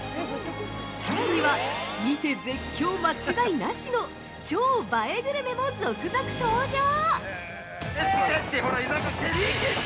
さらには、見て絶叫間違いなしの超映えグルメも続々登場！